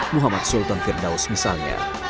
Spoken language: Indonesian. muhammad sultan firdaus misalnya